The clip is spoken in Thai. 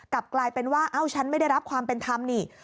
กลับกลายเป็นว่าเอ้าฉันไม่ได้รับความเป็นธรรมนี่